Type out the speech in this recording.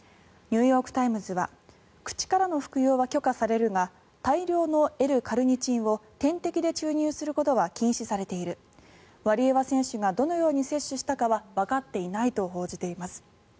ニューヨーク・タイムズは口からの服用は許可されるが大量のＬ−カルニチンを点滴で注入することは禁止されているワリエワ選手がどのように摂取したかはわかっていないと報じています。